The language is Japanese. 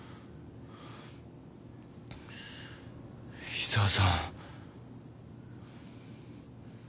・・井沢さん。